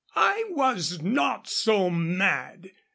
I was not so mad!